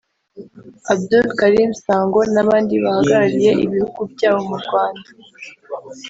Abdoul Karim Sango n’abandi bahagarariye ibihugu byabo mu Rwanda